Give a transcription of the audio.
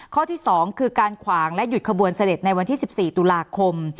ข้อที่๒คือการขวางและหยุดขบวนเสด็จในวันที่๑๔ตุลาคม